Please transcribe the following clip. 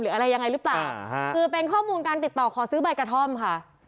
อะไรยังไงหรือเปล่าคือเป็นข้อมูลการติดต่อขอซื้อใบกระท่อมค่ะ